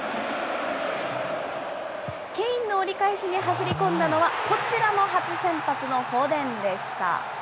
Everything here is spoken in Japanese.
ケインの折り返しに走り込んだのは、こちらも初先発のフォデンでした。